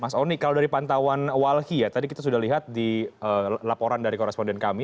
mas oni kalau dari pantauan walhi ya tadi kita sudah lihat di laporan dari koresponden kami